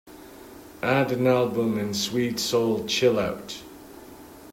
add an album in Sweet Soul Chillout